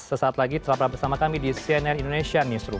sesaat lagi tetap bersama kami di cnn indonesia newsroom